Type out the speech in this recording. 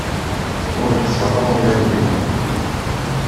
Ur tteṣṣreɣ ula d yiwen.